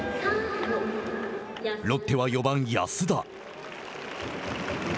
ロッテは４番安田。